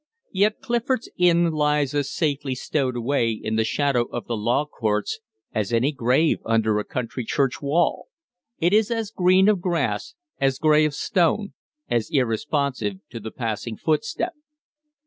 Yet Clifford's Inn lies as safely stowed away in the shadow of the Law Courts as any grave under a country church wall; it is as green of grass, as gray of stone, as irresponsive to the passing footstep.